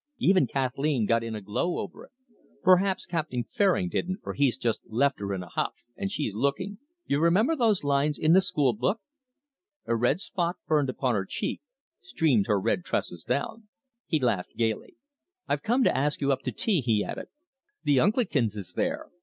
Even Kathleen got in a glow over it. Perhaps Captain Fairing didn't, for he's just left her in a huff, and she's looking you remember those lines in the school book: "'A red spot burned upon her cheek, Streamed her rich tresses down '" He laughed gaily. "I've come to ask you up to tea," he added. "The Unclekins is there.